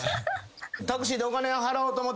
タクシーでお金を払おうと思って。